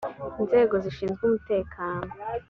inzego zishinzwe umutekano